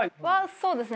そうですね。